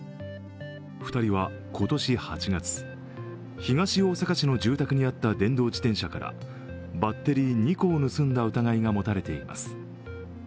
２人は今年８月東大阪市の住宅にあった電動自転車からバッテリー２個を盗んだ疑いが持たれています。